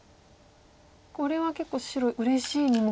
これは結構白うれしい２目取り。